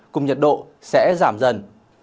cùng nhật độ sẽ giảm dần